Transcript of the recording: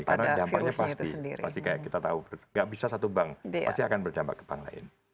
karena dampaknya pasti pasti kayak kita tahu nggak bisa satu bank pasti akan berdampak ke bank lain